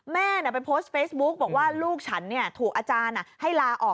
แม่ไปโพสต์เฟซบุ๊กบอกว่าลูกฉันถูกอาจารย์ให้ลาออก